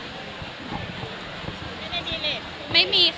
ได้มีเรท